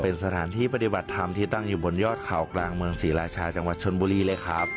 เป็นสถานที่ปฏิบัติธรรมที่ตั้งอยู่บนยอดเขากลางเมืองศรีราชาจังหวัดชนบุรีเลยครับ